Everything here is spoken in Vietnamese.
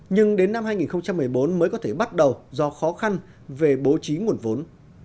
nhưng đến năm hai nghìn một mươi bốn mới có thể bắt đầu do khó khăn về bố trí nguồn vốn